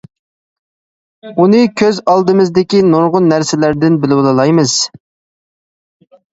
بۇنى كۆز ئالدىمىزدىكى نۇرغۇن نەرسىلەردىن بىلىۋالالايمىز.